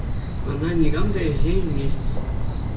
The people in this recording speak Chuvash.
Ӑна никам та ӗҫе илмест.